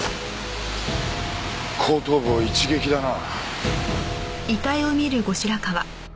後頭部を一撃だな。